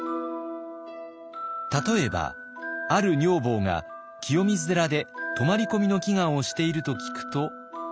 例えばある女房が清水寺で泊まり込みの祈願をしていると聞くと。